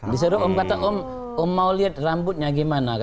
disuruh om kata om mau lihat rambutnya gimana